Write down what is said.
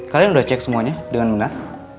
kalian sudah cek semuanya dengan benar